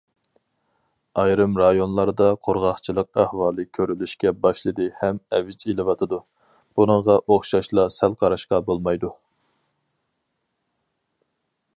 ئايرىم رايونلاردا قۇرغاقچىلىق ئەھۋالى كۆرۈلۈشكە باشلىدى ھەم ئەۋج ئېلىۋاتىدۇ، بۇنىڭغا ئوخشاشلا سەل قاراشقا بولمايدۇ.